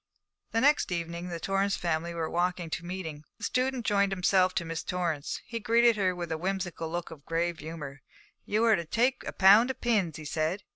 The next evening the Torrance family were walking to meeting. The student joined himself to Miss Torrance. He greeted her with the whimsical look of grave humour. 'You are to take a pound of pins,' he said.